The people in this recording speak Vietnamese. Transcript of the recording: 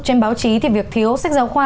trên báo chí thì việc thiếu sách giáo khoa